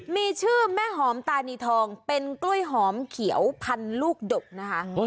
มีชื่อแม่หอมตานีทองเป็นกล้วยหอมเขียวพันลูกดกนะคะ